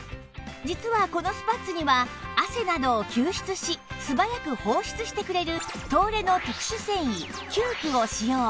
実はこのスパッツには汗などを吸湿しすばやく放出してくれる東レの特殊繊維キュープを使用